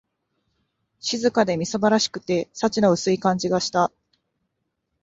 静かで、みすぼらしくて、幸の薄い感じがした